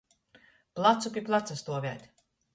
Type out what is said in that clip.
Placu pi placa stuovēt.